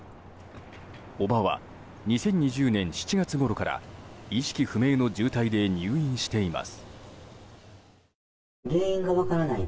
叔母は２０２０年７月ごろから意識不明の重体で入院しています。